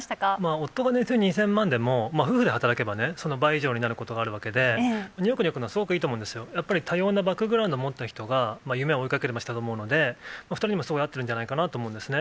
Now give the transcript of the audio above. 夫が年収２０００万でも、夫婦で働けばね、その倍以上になることがあるわけで、ニューヨークに行くのはすごくいいと思うんですよ、やっぱり多様なバックグラウンド持った人が、夢を追いかける街だと思うので、お２人にもすごい合ってるんじゃないかなと思うんですね。